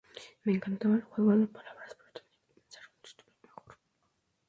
Me encantaba el juego de palabras, pero tenía que pensar en un título mejor.